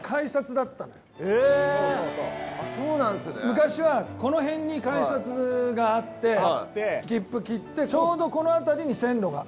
昔はこの辺に改札があって切符切ってちょうどこの辺りに線路が。